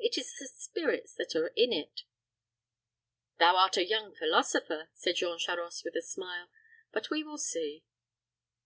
It is the spirits that are in it." "Thou art a young philosopher." said Jean Charost, with a smile; "but we will see."